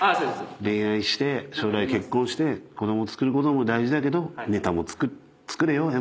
恋愛して将来結婚して子供つくることも大事だけどネタも作れよＭ−１のために。